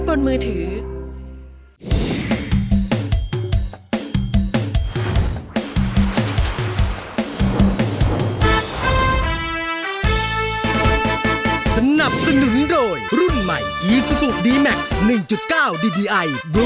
เพื่อร้องได้ให้สาม